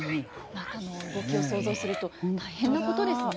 中の動きを想像すると大変なことですね。